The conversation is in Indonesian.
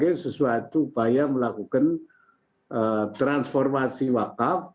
ini sesuatu upaya melakukan transformasi wakaf